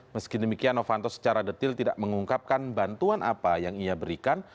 meski demikian novanto secara detil tidak mengungkapkan bantuan apa yang ia berikan